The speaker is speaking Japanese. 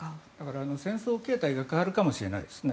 戦争形態が変わるかもしれないですね。